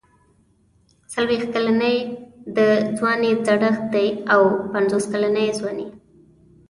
څلوېښت کلني د ځوانۍ زړښت دی او پنځوس کلني ځواني.